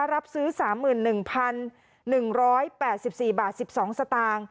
รับซื้อสามหมื่นหนึ่งพันหนึ่งร้อยแปดสิบสี่บาทสิบสองสตางค์